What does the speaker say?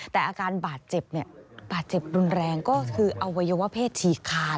แต่อาการบาดเจ็บบาดเจ็บรุนแรงก็คืออวัยวะเพศฉีกขาด